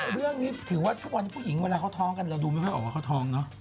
เรื่องนี้ถือว่าทุกวันผู้หญิงเวลาเขาท้องกันเราดูไม่ค่อยออกว่าเขาท้องเนอะ